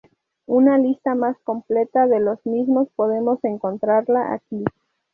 Una lista más completa de los mismos podemos encontrarla aquí.